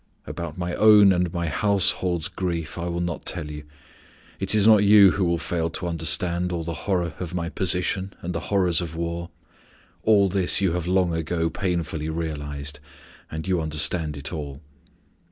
About my own and my household's grief I will not tell you; it is not you who will fail to understand all the horror of my position and the horrors of war; all this you have long ago painfully realized, and you understand it all.